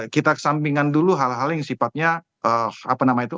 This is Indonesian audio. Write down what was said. kita kesampingkan dulu hal hal yang sifatnya apa nama itu